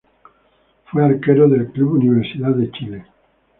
Fue arquero del club Universidad de Chile.